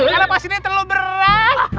karena pas ini terlalu berat